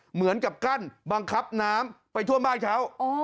เหมือนกับกั้นบังคับน้ำไปท่วมบ้านเขา